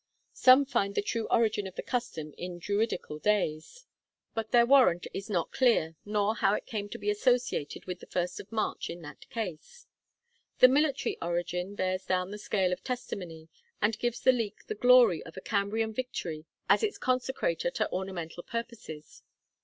Some find the true origin of the custom in Druidical days, but their warrant is not clear, nor how it came to be associated with the 1st of March in that case. The military origin bears down the scale of testimony, and gives the leek the glory of a Cambrian victory as its consecrator to ornamental purposes.